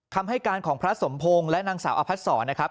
คำให้การของพระสมพงศ์และนางสาวอพัดศรนะครับ